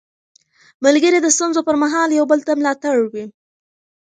ملګري د ستونزو پر مهال یو بل ته ملا تړ وي